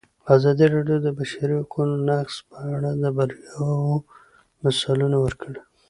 ازادي راډیو د د بشري حقونو نقض په اړه د بریاوو مثالونه ورکړي.